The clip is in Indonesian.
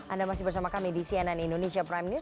anda masih bersama kami di cnn indonesia prime news